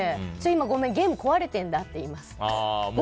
ごめん、今ゲーム壊れているんだって言います。